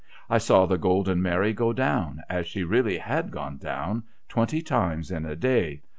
I saw the Golden Mary go down, as she really had gone down, twenty times in a day.